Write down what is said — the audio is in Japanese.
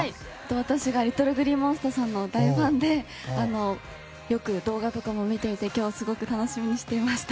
私がＬｉｔｔｌｅＧｌｅｅＭｏｎｓｔｅｒさんの大ファンでよく動画とか見ていて今日すごく楽しみにしていました。